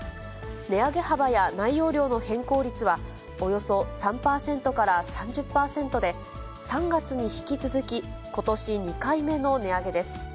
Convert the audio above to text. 値上げ幅や内容量の変更率は、およそ３％から３０％で、３月に引き続き、ことし２回目の値上げです。